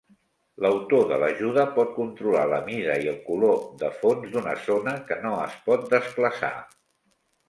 L'autor de l'Ajuda pot controlar la mida i el color de fons d'una zona que no es pot desplaçar.